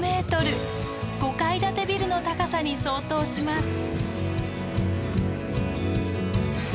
５階建てビルの高さに相当します。